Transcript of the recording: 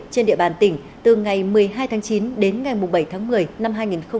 trên địa bàn tỉnh từ ngày một mươi hai tháng chín đến ngày một mươi bảy tháng một mươi năm hai nghìn hai mươi hai